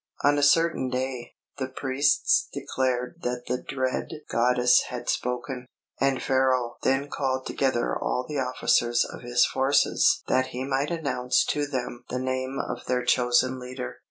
On a certain day, the priests declared that the dread goddess had spoken; and Pharaoh then called together all the officers of his forces that he might announce to them the name of their chosen leader.